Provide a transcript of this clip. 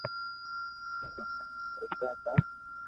اووي ھوتا تا